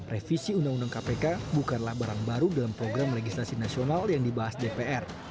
revisi undang undang kpk bukanlah barang baru dalam program legislasi nasional yang dibahas dpr